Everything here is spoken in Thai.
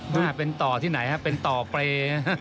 แม่เป็นต่อที่ไหนครับเป็นต่อเปรย์